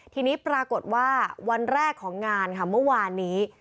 ทีนี้ปรากฏว่าวันแรกของงานค่ะเมื่อวานนี้